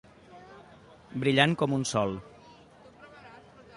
Brillant com un sol.